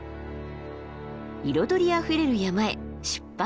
彩りあふれる山へ出発！